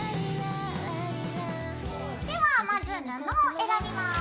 ではまず布を選びます。